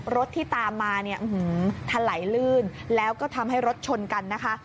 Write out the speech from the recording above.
รถที่ตามมาเนี่ยถลายลื่นแล้วก็ทำให้รถชนกันนะคะ